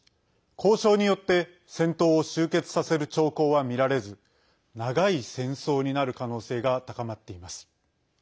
交渉によって戦闘を終結させる兆候はみられず長い戦争になる可能性が高まっています。